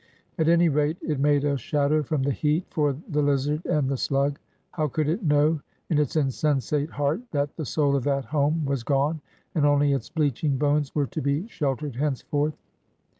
At any rate, it made a shadow from the heat for the lizard and the slug. How could it know in its insensate heart that the soul of that home was gone and only its bleaching bones were to be sheltered henceforth?